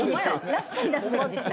ラストに出すべきでした。